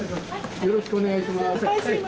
よろしくお願いします。